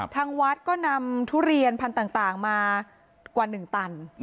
ทางวัดก็นำทุเรียนพันธุ์ต่างมากว่า๑ตัน